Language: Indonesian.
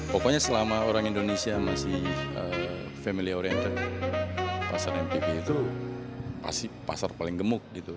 pokoknya selama orang indonesia masih family oriented pasar mpv itu pasti pasar paling gemuk gitu